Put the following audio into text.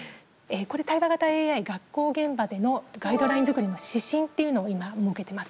対話型ＡＩ、学校現場でのガイドライン作りの指針っていうのを、今、設けてます。